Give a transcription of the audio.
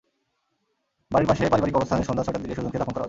বাড়ির পাশে পারিবারিক কবরস্থানে সন্ধ্যা ছয়টার দিকে সুজনকে দাফন করা হয়।